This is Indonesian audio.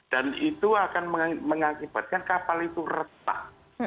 dan itu akan mengakibatkan kapal itu retak